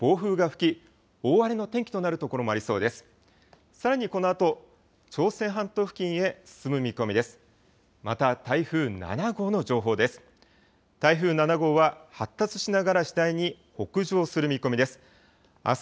台風７号は発達しながら次第に北上する見込みです。